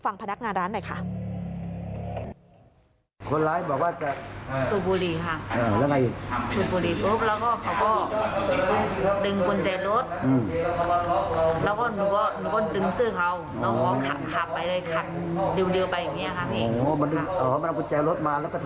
พนักงานร้านหน่อยค่ะ